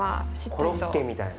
コロッケみたいな。